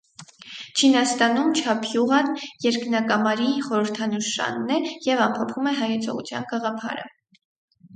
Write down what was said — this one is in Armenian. Չինաստանում չափյուղան երկնակամարի խորհրդանշանն է և ամփոփում է հայեցողության գաղափարը։